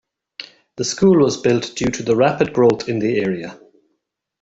The school was built due to the rapid growth in the area.